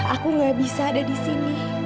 aku gak bisa ada disini